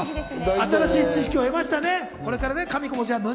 新しい知識を得ましたね。